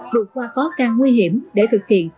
vượt qua khó khăn nguy hiểm để thực hiện